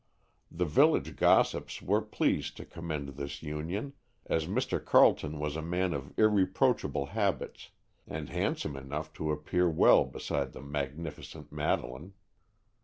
The village gossips were pleased to commend this union, as Mr. Carleton was a man of irreproachable habits, and handsome enough to appear well beside the magnificent Madeleine.